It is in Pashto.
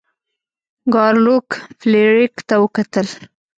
ګارلوک فلیریک ته وکتل.